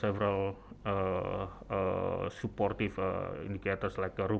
beberapa indikator yang mendukung